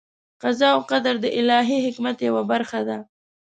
قضا او قدر د الهي حکمت یوه برخه ده.